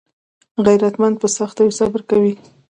غیرتمند په سختیو صبر کوي